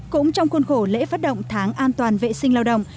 cũng trong khuôn khổ lễ phát động tháng an toàn vệ sinh lao động